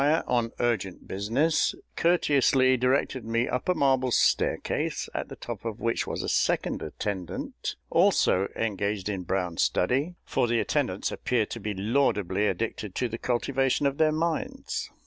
on urgent business, courteously directed me up a marble staircase, at the top of which was a second attendant, also engaged in brown study for the attendants appear to be laudably addicted to the cultivation of their minds.